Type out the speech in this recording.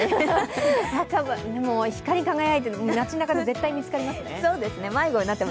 光り輝いて街なかで絶対見つかりますね。